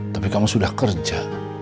tapi kamu sudah kerja